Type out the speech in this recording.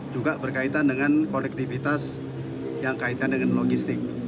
juga berkaitan dengan konektivitas yang kaitan dengan logistik